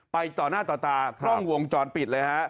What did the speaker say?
ต่อหน้าต่อตากล้องวงจรปิดเลยฮะ